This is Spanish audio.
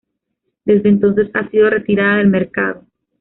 Desde entonces ha sido retirada del mercado.